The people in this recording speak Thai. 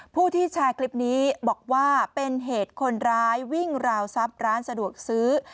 ผู้ที่แชร์คลิปนี้บอกว่าเป็นเหตุคนร้ายวิ่งราวทรัพย์ร้านสะดวกซื้อ